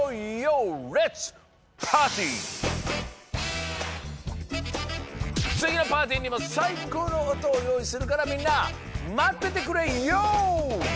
レッツつぎのパーティーにもさいこうのおとをよういするからみんなまっててくれＹＯ！